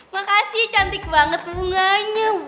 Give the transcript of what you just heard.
makasih cantik banget bunganya